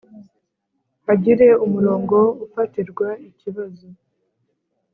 hagire umurongo ufatirwa ikibazo